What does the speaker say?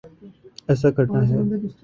ایسا کرنا ہے۔